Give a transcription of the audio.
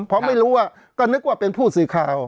เพราะฉะนั้นประชาธิปไตยเนี่ยคือการยอมรับความเห็นที่แตกต่าง